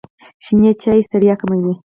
شنې چایی ستړیا کموي.